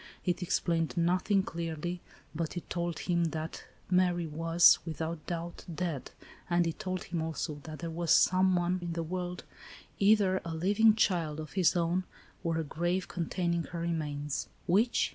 It explained nothing clearly, but it tbld him that Mary was, without doubt, dead, and it told him also that there was, somewhere in the world, either a living child of his own, or a grave containing her remains. Which